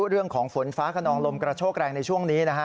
เรื่องของฝนฟ้าขนองลมกระโชกแรงในช่วงนี้นะฮะ